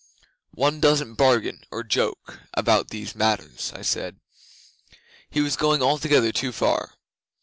'"One doesn't bargain or joke about these matters," I said. He was going altogether too far.